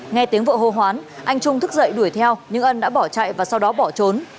nghe tiếng vợ hô hoán anh trung thức dậy đuổi theo nhưng ân đã bỏ chạy và sau đó bỏ trốn